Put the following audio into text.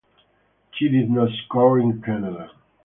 She did not score in Canada.